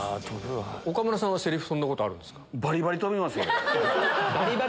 岡村さんはセリフ飛んだことあるんですか？